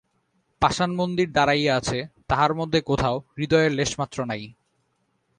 পাষাণমন্দির দাড়াইয়া আছে, তাহার মধ্যে কোথাও হৃদয়ের লেশমাত্র নাই।